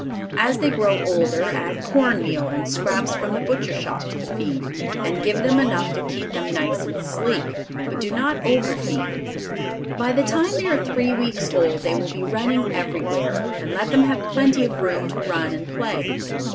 As they grow older add cornmeal and scraps from the butcher shop to the feed, and give them enough to keep them nice and sleek, but do not overfeed. By the time they are three weeks old they will be running everywhere, and let them have plenty of room to run and play.